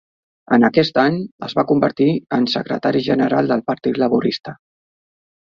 En aquest any, es va convertir en secretari general del partit laborista.